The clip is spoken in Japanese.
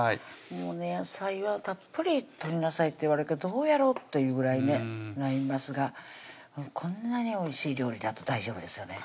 もうね野菜はたっぷりとりなさいっていわれるけどどうやろうっていうぐらいねなりますがこんなにおいしい料理だと大丈夫ですよね